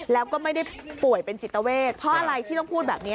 แล้วก็ไม่ได้ป่วยเป็นจิตเวทเพราะอะไรที่ต้องพูดแบบนี้